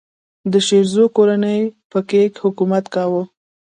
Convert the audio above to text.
د شیزو کورنۍ په کې حکومت کاوه.